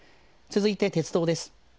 続いて鉄道です。